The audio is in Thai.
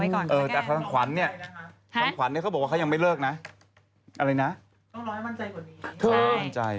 ต้องรอให้มั่นใจกว่านี้